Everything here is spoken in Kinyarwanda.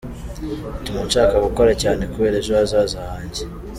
"Bituma nshaka gukora cyane kubera ejo hazaza hanjye.